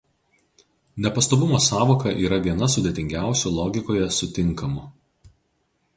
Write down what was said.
Nepastovumo sąvoka yra viena sudėtingiausių logikoje sutinkamų.